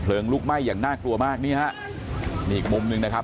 ลุกไหม้อย่างน่ากลัวมากนี่ฮะนี่อีกมุมหนึ่งนะครับ